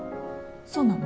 そうなの？